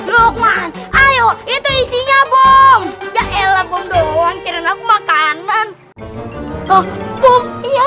luqman ayo itu isinya bom ya elah bom doang kirim aku makanan bom iya